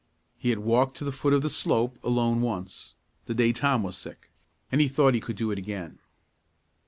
He had walked to the foot of the slope alone once, the day Tom was sick, and he thought he could do it again.